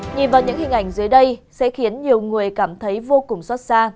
nhìn vào những hình ảnh dưới đây sẽ khiến nhiều người cảm thấy vô cùng xót xa